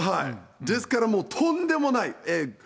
ですからもう、とんでもない。